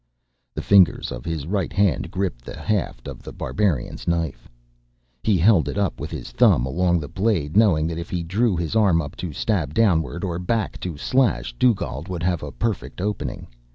The fingers of his right hand gripped the haft of The Barbarian's knife. He held it with his thumb along the blade, knowing that if he drew his arm up, to stab downward, or back, to slash, Dugald would have a perfect opening.